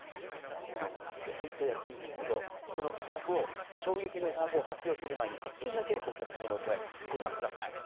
今日、本当に安いんですけど、その衝撃の価格を発表する前に１件だけお客様の声、御覧ください。